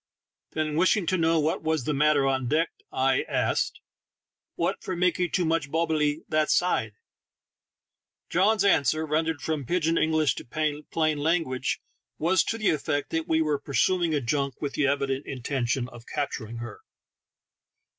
Then, wishing to know what was the matter on deck, I asked, "What for makee too muchee bobblely that side? " John's answer, rendered from pidj in English to plain language, was to the effect that we were pursuing a junk with the evident intention of cap turing her.